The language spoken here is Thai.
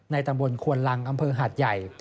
ตำบลควนลังอำเภอหาดใหญ่